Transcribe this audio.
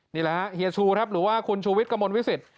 นี่แหละฮะเฮียชูครับหรือว่าคุณชูวิทย์กระมวลวิสิต